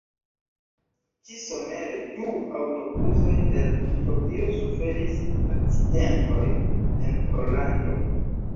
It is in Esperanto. Ĉi-somere du aŭtobusoj el Litovio suferis akcidentojn en Pollando.